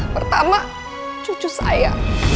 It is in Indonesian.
pertama cucu saya